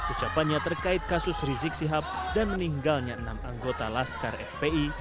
ucapannya terkait kasus rizik sihab dan meninggalnya enam anggota laskar fpi